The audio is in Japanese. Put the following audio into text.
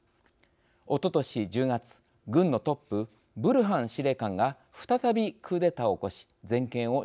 おととし１０月軍のトップブルハン司令官が再びクーデターを起こし全権を握ったのです。